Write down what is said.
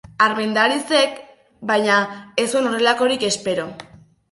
Armendarizek, baina, ez zuen horrelakorik espero.